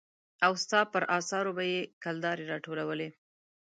او ستا پر اثارو به يې کلدارې را ټولولې.